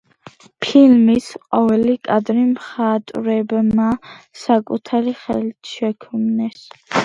ფილმის ყოველი კადრი მხატვრებმა საკუთარი ხელით შექმნეს.